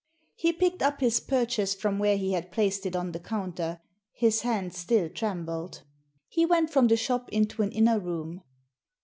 " He picked up his purchase from where he had placed it on the counter. His hand still trembled. He went from the shop into an inner room.